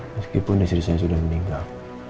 meskipun istri saya sudah meninggal